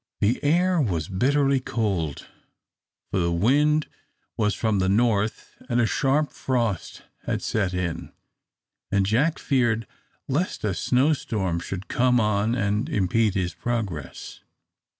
The air was bitterly cold, for the wind was from the north and a sharp frost had set in, and Jack feared lest a snowstorm should come on and impede his progress.